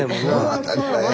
当たり前や。